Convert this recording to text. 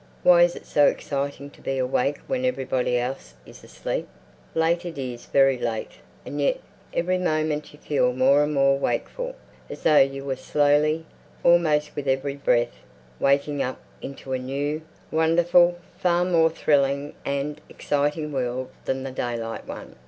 Why is it so exciting to be awake when everybody else is asleep? Late—it is very late! And yet every moment you feel more and more wakeful, as though you were slowly, almost with every breath, waking up into a new, wonderful, far more thrilling and exciting world than the daylight one.